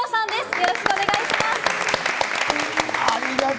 よろしくお願いします。